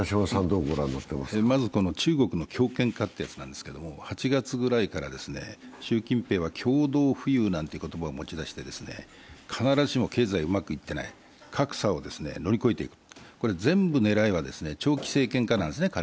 まず中国の強権化ってやつなんですけど８月ぐらいから習近平は共同富裕なんて言葉を持ち出して必ずしも経済はうまくいっていない、格差を乗り越えていく、全部狙いは彼の長期政権化なんですね。